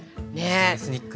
エスニック。